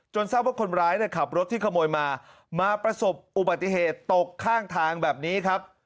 ทราบว่าคนร้ายขับรถที่ขโมยมามาประสบอุบัติเหตุตกข้างทางแบบนี้ครับ